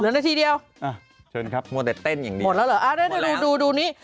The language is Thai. เหลือนาทีเดียวหมดแต่เต้นอย่างเดียวหมดแล้วเหรออ่ะดูดูนี้